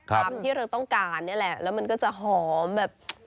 ตามที่เราต้องการนี่แหละแล้วมันก็จะหอมแบบ